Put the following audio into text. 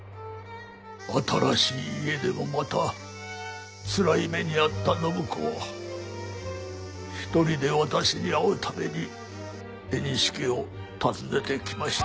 新しい家でもまたつらい目に遭った展子は一人で私に会うために江西家を訪ねてきました。